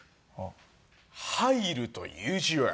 「入る」という字は。